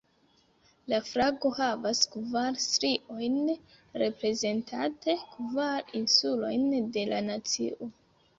La flago havas kvar striojn, reprezentante kvar insulojn de la nacio.